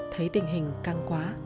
thấy tình hình căng quá